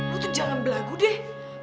lu tuh jangan belagu deh